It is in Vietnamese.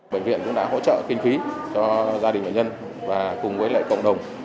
bệnh viện cũng đã hỗ trợ kinh phí cho gia đình bệnh nhân và cùng với lại cộng đồng